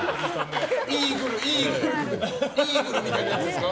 イーグルみたいなやつですか。